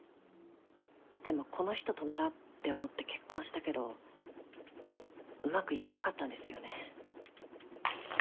でもこの人とならって思って結婚したけどうまくいかなかったんですよね。